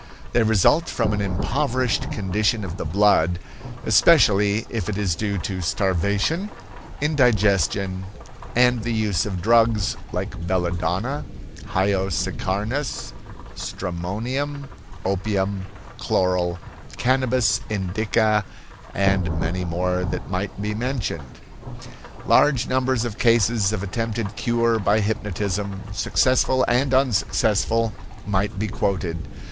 They result from an impoverished condition of the blood, especially if it is due to starvation, indigestion, and the use of drugs like belladonna, hyoscyarnus, stramonium, opium, chloral, cannabis indica, and many more that might be mentioned." Large numbers of cases of attempted cure by hypnotism, successful and unsuccessful, might be quoted.